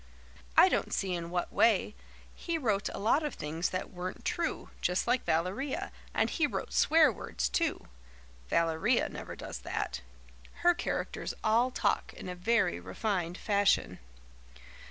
"I don't see in what way. He wrote a lot of things that weren't true, just like Valeria, and he wrote swear words too. Valeria never does that. Her characters all talk in a very refined fashion."